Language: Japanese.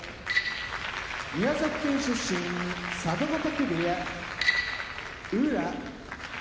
宮崎県出身佐渡ヶ嶽部屋宇良